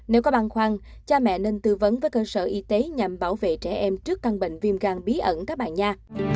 nếu có bằng khoan cha mẹ nên tư vấn với cơ sở y tế nhằm bảo vệ trẻ em trước căn bệnh viêm gan bí ẩn các bạn nha